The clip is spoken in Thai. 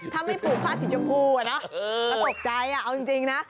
ถ้าไม่ผูกผ้าสีชมพูอะนะก็ตกใจเอาจริงนะ